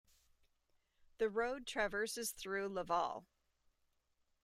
The road traverses through Laval.